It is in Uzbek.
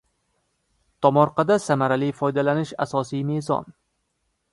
Tomorqadan samarali foydalanish – asosiy mezon